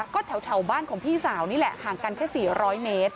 ก็แถวบ้านของพี่สาวนี่แหละห่างกันแค่๔๐๐เมตร